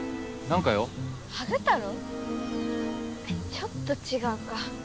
ちょっとちがうか。